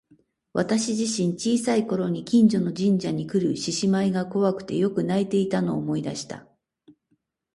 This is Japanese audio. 私自身、小さい頃に近所の神社にくる獅子舞が怖くてよく泣いていたのを思い出した。